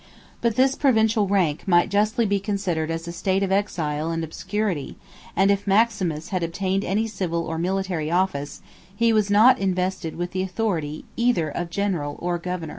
10 But this provincial rank might justly be considered as a state of exile and obscurity; and if Maximus had obtained any civil or military office, he was not invested with the authority either of governor or general.